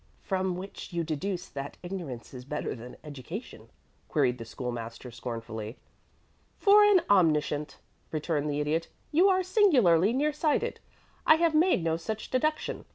"From which you deduce that ignorance is better than education?" queried the School master, scornfully. "For an omniscient," returned the Idiot, "you are singularly near sighted. I have made no such deduction.